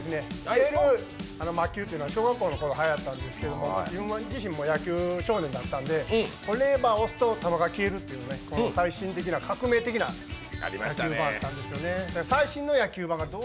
消える魔球というのは小学校の頃、はやったんですけど自分自身も野球少年だったのでレバーを押すと球が消えるという最新的な革命的な野球盤です。